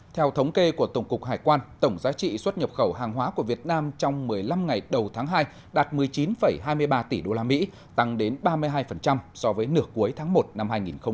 theo thống kê của tổng cục hải quan tổng giá trị xuất nhập khẩu hàng hóa của việt nam trong một mươi năm ngày đầu tháng hai đạt một mươi chín hai mươi ba tỷ usd tăng đến ba mươi hai so với nửa cuối tháng một năm hai nghìn hai mươi